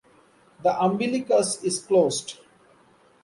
The umbilicus is closed.